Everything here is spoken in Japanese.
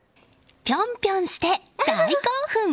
ピョンピョンして大興奮！